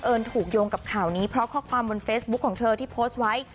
ถูกโยงกับข่าวนี้เพราะข้อความบนเฟซบุ๊คของเธอที่โพสต์ไว้